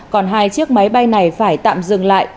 còn hai chiếc máy bay này phải tạm dừng lại